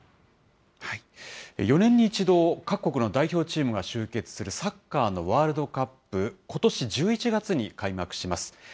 ４年に１度、各国の代表チームが集結する、サッカーのワールドカップ、ことし１１月に開幕します。